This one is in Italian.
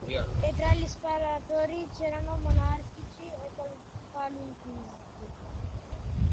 E tra gli sparatori c'erano monarchici e qualunquisti.